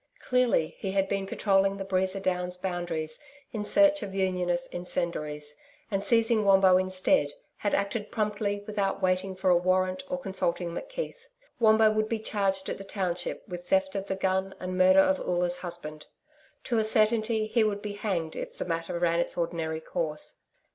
Clearly, he had been patrolling the Breeza Downs boundaries in search of Unionist incendiaries, and seizing Wombo instead, had acted promptly without waiting for a warrant or consulting McKeith. Wombo would be charged at the township with theft of the gun and murder of Oola's husband. To a certainty he would be hanged if the matter ran its ordinary course.